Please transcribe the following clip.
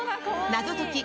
「謎解き！